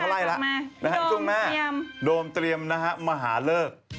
โดมเตรียมโดมเตรียมนะฮะมาหาเลิก